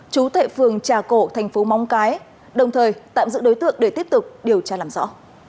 chú thệ phường trà cổ thành phố móng cái đồng thời tạm giữ đối tượng để tiếp tục điều tra làm rõ